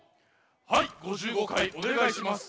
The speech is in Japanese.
はい５５かいおねがいします。